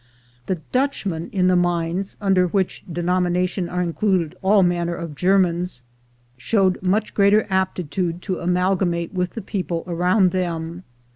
The "Dutchmen" in the mines, under which de nomination are included all m,anner of Germans, sliowed much greater aptitude to amalgamate with the j>eople around them.